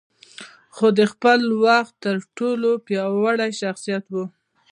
خو د خپل وخت تر ټولو پياوړی شخصيت و.